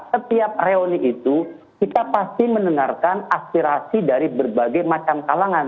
setiap reuni itu kita pasti mendengarkan aspirasi dari berbagai macam kalangan